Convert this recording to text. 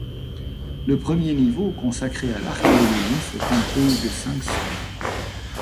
Le premier niveau, consacré à l'archéologie, se compose de cinq salles.